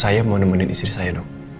saya mau nemenin istri saya dong